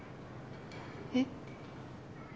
えっ？